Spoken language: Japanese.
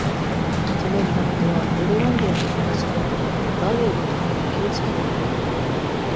その源はエルワンゲンの東の丘でバイエルンとの国境近くにある。